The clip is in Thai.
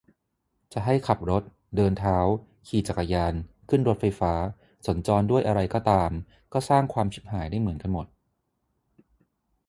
จะให้ขับรถ เดินเท้า ขี่จักรยาน ขึ้นรถไฟฟ้า สัญจรด้วยอะไรก็ตาม ก็สร้างความชิบหายได้เหมือนกันหมด